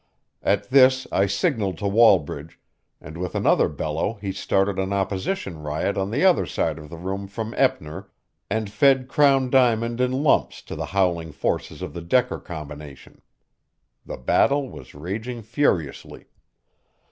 At this I signaled to Wallbridge, and with another bellow he started an opposition riot on the other side of the room from Eppner, and fed Crown Diamond in lumps to the howling forces of the Decker combination. The battle was raging furiously.